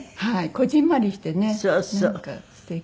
こぢんまりしてねなんか素敵。